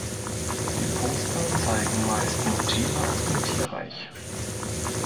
Die Poster zeigen meist Motive aus dem Tierreich.